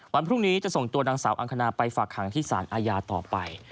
วันพรุ่งนี้จะส่งตัวนางสาวอังคณาไปฝากขังที่สารอาญาต่อไป